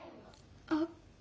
あっ。